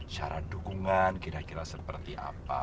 syarat dukungan kira kira seperti apa